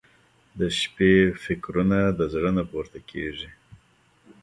• د شپې فکرونه د زړه نه پورته کېږي.